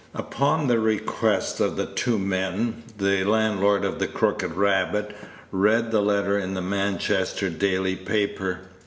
Upon the request of the two men, the landlord of the "Crooked Rabbit" read the letter in the Manchester daily paper.